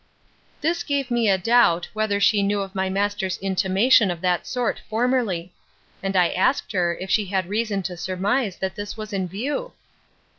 This gave me a doubt, whether she knew of my master's intimation of that sort formerly; and I asked her, if she had reason to surmise that that was in view?